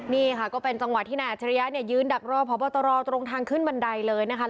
นี่ค่ะก็เป็นจังหวะที่นายอัจฉริยะเนี่ยยืนดักรอพบตรตรงทางขึ้นบันไดเลยนะคะ